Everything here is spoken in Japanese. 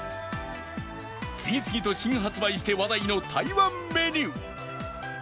次々と新発売して話題の台湾メニュー